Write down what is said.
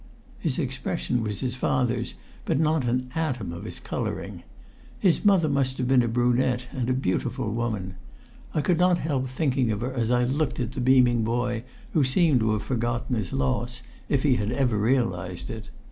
His expression was his father's, but not an atom of his colouring. His mother must have been a brunette and a beautiful woman. I could not help thinking of her as I looked at the beaming boy who seemed to have forgotten his loss, if he had ever realised it.